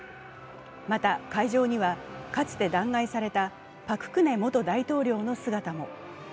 また、会場にはかつて弾劾されたパク・クネ元大統領の姿も。